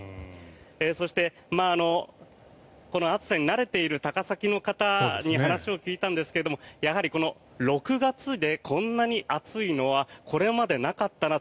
そしてこの暑さに慣れている高崎の方に話を聞いたんですがやはり６月でこんなに暑いのはこれまでなかったな